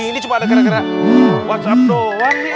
eh ini cuma ada gara gara whatsapp doang ya